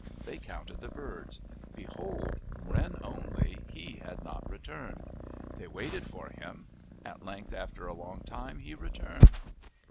They counted the birds. Behold ! Wren only, he had not returned. They waited for him. At length, after a long time, he returned.